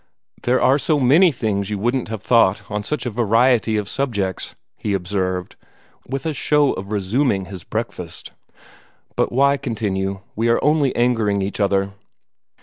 "There are so many things you wouldn't have thought, on such a variety of subjects," he observed, with a show of resuming his breakfast. "But why continue? We are only angering each other."